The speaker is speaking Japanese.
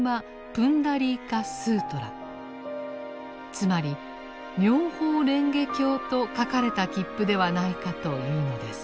つまり「妙法蓮華経」と書かれた切符ではないかというのです。